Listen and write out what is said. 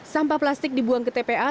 sampah plastik dibuang ke tpa